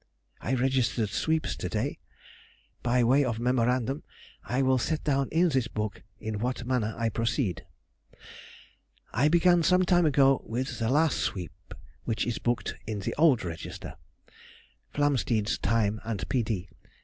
I registered sweeps to day. By way of memorandum I will set down in this book in what manner I proceed. I began some time ago with the last sweep which is booked in the old register (Flamsteed's time and P.